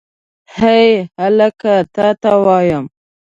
هې هلکه تا ته وایم.